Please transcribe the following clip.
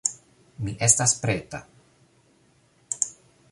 Mi estas preta...